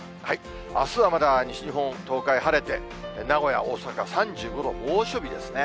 あすはまだ西日本、東海、晴れて、名古屋、大阪３５度、猛暑日ですね。